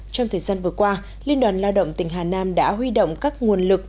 trong thời gian vừa qua liên đoàn lao động tỉnh hà nam đã huy động các nguồn lực